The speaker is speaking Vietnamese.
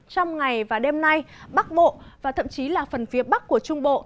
trong ngày và đêm nay bắc bộ và thậm chí là phần phía bắc của trung bộ